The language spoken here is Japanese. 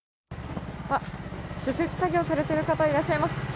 あっ、除雪作業されてる方、いらっしゃいます。